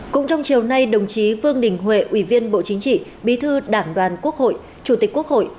cũng trong chiều nay đồng chí vương đình huệ ủy viên bộ chính trị bí thư đảng đoàn quốc hội chủ tịch quốc hội